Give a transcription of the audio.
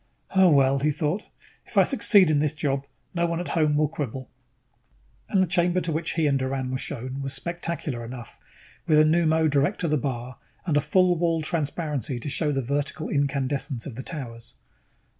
Oh, well, he thought, if I succeed in this job, no one at home will quibble. And the chamber to which he and Doran were shown was spectacular enough, with a pneumo direct to the bar and a full wall transparency to show the vertical incandescence of the towers.